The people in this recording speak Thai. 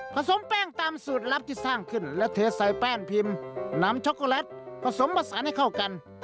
สมแป้งตามสูตรลับที่สร้างขึ้นและเทใส่แป้งพิมพ์นำช็อกโกแลตผสมผสานให้เข้ากัน